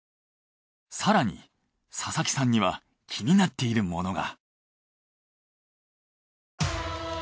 更に佐々木さんには気になっているものが。